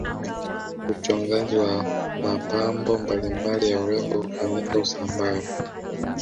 uchongaji wa mapambo mbalimbali ya urembo hufanyika usambara